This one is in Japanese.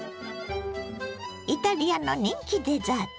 イタリアの人気デザート。